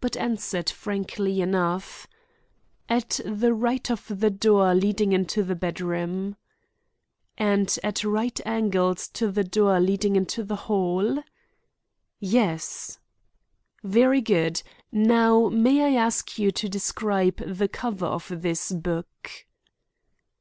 but answered frankly enough: "At the right of the door leading into the bedroom." "And at right angles to the door leading into the hall?" "Yes." "Very good. Now may I ask you to describe the cover of this book?"